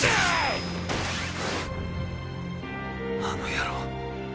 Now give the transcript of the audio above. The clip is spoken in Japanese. あの野郎